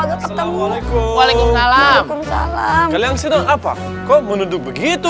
assalamualaikum waalaikumsalam salam kalian sedang apa kok menunduk begitu